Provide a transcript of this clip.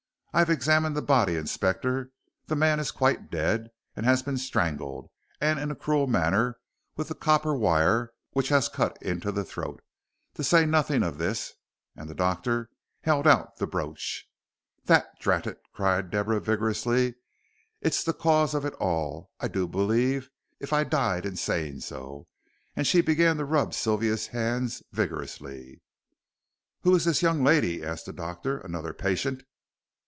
"I've examined the body, Inspector. The man is quite dead he has been strangled and in a cruel manner with that copper wire, which has cut into the throat, to say nothing of this," and the doctor held out the brooch. "That, drat it!" cried Deborah, vigorously, "it's the cause of it all, I do believe, if I died in saying so," and she began to rub Sylvia's hands vigorously. "Who is this young lady?" asked the doctor; "another patient?"